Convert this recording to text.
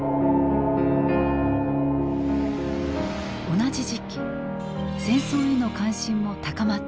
同じ時期戦争への関心も高まっていた。